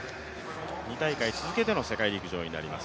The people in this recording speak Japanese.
２大会続けての世界陸上になります